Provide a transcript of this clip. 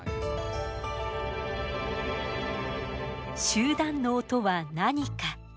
集団脳とは何か。